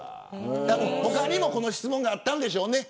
他にもこの質問があったんでしょうね。